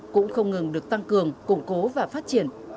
cũng không ngừng được tăng cường củng cố và phát triển